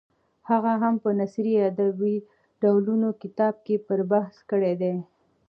هغه هم په نثري ادب ډولونه کتاب کې پرې بحث کړی دی.